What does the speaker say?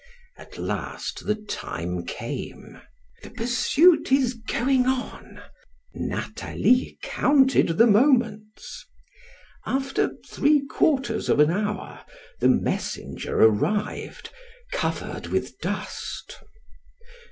At last, the time came the pursuit is going on Nathalie counted the moments. After three quarters of an hour, the messenger arrived, covered with dust.